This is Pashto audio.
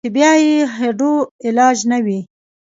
چې بيا ئې هډو علاج نۀ وي -